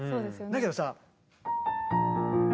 だけどさ。